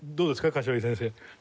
柏木先生。